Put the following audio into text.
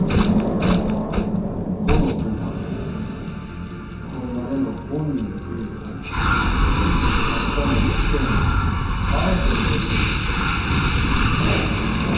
「この友厚これまでの恩に報いるため閣下の欠点をあえて述べるのでお許しを。